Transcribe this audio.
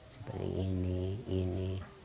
seperti ini ini